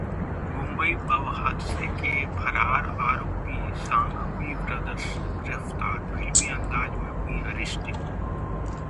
Mumbai pub हादसे के फरार आरोपी सांघवी ब्रदर्स गिरफ्तार, फिल्मी अंदाज में हुई अरेस्टिंग